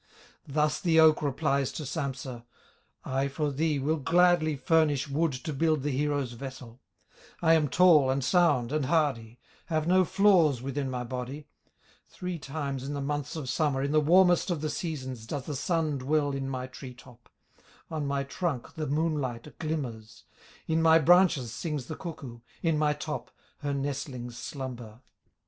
Thus the oak replies to Sampsa: "I for thee will gladly furnish Wood to build the hero's vessel; I am tall, and sound, and hardy, Have no flaws within my body; Three times in the months of summer, In the warmest of the seasons, Does the sun dwell in my tree top, On my trunk the moonlight glimmers, In my branches sings the cuckoo, In my top her nestlings slumber."